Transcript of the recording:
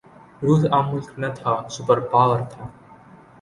روس عام ملک نہ تھا، سپر پاور تھا۔